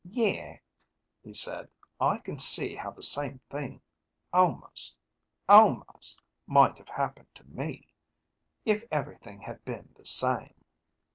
"Yeah," he said. "I can see how the same thing almost almost might have happened to me. If everything had been the same."